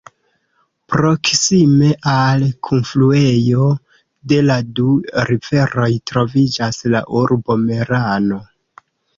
Proksime al kunfluejo de la du riveroj, troviĝas la urbo Merano.